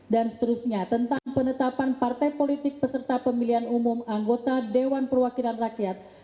dan seterusnya tentang penetapan partai politik peserta pemilihan umum anggota dewan perwakilan rakyat